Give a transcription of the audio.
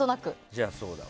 じゃあ、そうだよ。